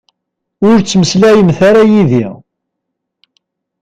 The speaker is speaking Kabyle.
Ur ttmeslayemt ara yid-i.